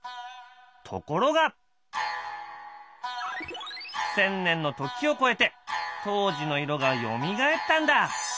ところが１，０００年の時を超えて当時の色がよみがえったんだ！